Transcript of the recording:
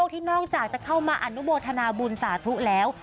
ที่นอกจากจะเข้ามาอนุโมทนาบุญสาธุแล้ว